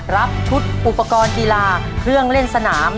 รับชุดอุปกรณ์กีฬาเครื่องเล่นสนาม